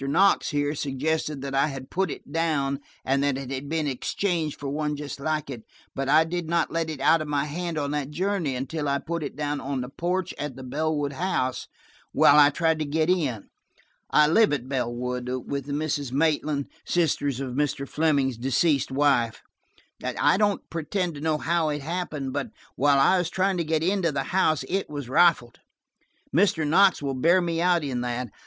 Knox here suggested that I had put it down, and it had been exchanged for one just like it, but I did not let it out of my hand on that journey until I put it down on the porch at the Bellwood house, while I tried to get in. I live at Bellwood, with the Misses Maitland, sisters of Mr. Fleming's deceased wife. I don't pretend to know how it happened, but while I was trying to get into the house it was rifled. Mr. Knox will bear me out in that.